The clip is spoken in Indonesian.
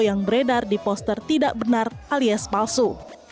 yang beredar di poster tidak benar alias palsu